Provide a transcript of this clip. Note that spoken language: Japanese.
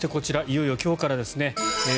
いよいよ今日からですね